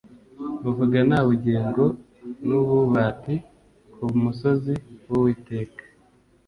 bavuga na bugingo n ubu bati ku musozi w uwiteka